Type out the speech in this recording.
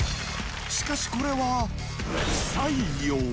しかしこれは不採用。